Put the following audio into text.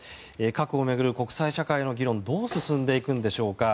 核を巡る国際社会の議論どう進んでいくんでしょうか。